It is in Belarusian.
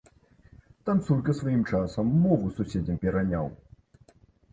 Танцулька сваім часам мову суседзям пераняў.